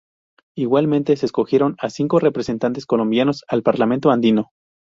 Igualmente, se escogieron a cinco representantes colombianos al Parlamento Andino.